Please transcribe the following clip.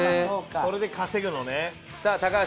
それで稼ぐのね。